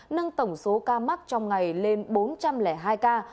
nâng tổng số ca mắc trong ngày lên bốn trăm linh hai ca